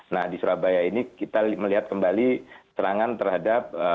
nah di surabaya ini kita melihat kembali serangan terhadap